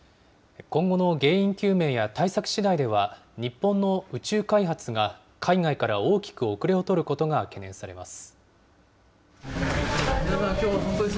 今後の原因究明や対策しだいでは、日本の宇宙開発が、海外から大きく後れを取ることが懸念されます。